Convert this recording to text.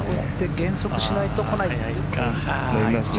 減速しないと来ない。